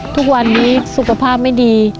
ทุกวันนี้สุขภาพไม่ดี